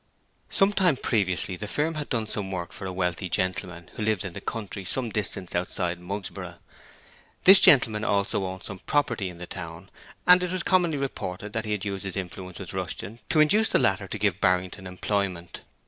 Some time previously the firm had done some work for a wealthy gentleman who lived in the country, some distance outside Mugsborough. This gentleman also owned some property in the town and it was commonly reported that he had used his influence with Rushton to induce the latter to give Barrington employment.